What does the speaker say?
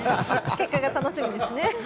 結果が楽しみですね。